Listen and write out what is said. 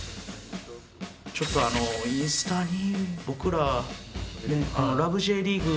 ちょっとインスタに僕ら『ラブ！！Ｊリーグ』の写真